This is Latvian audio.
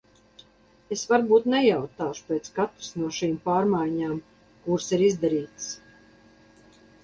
Es varbūt nejautāšu pēc katras no šīm pārmaiņām, kuras ir izdarītas.